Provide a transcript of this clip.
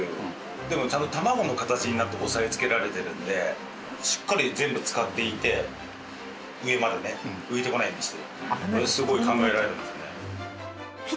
でもちゃんとたまごの形になって押さえつけられてるんでしっかり全部漬かっていて上までね浮いてこないんですよ。